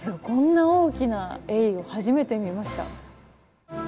こんな大きなエイを初めて見ました。